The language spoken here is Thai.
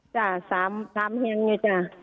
จ้า๓เฮียงไงจ้า